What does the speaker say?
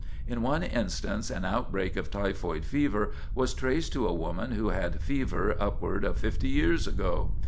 In one instance an outbreak of typhoid fever was traced to a woman who had fever upward of fifty years ago.